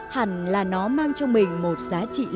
hẳn là nó mang cho mình một giá trị lịch sử nào đó